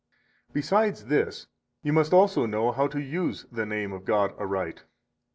63 Besides this you must also know how to use the name [of God] aright.